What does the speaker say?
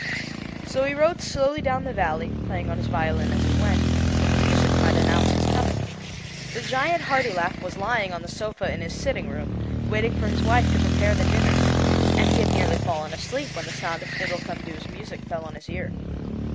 So he rode slowly down the valley, playing on his violin as he went, that the music might announce his coming. The giant Hartilaf was lying on the sofa in his sitting room, waiting for his wife to prepare the dinner; and he had nearly fallen asleep when the sound of Fiddlecumdoo's music fell on his ear.